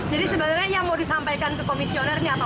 jadi sebenarnya yang mau disampaikan ke komisioner ini apa